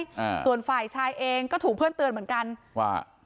อ่าส่วนฝ่ายชายเองก็ถูกเพื่อนเตือนเหมือนกันว่า